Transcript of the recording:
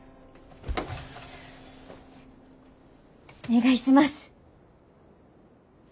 お願いします。